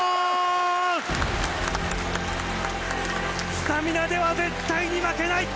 スタミナでは絶対に負けない！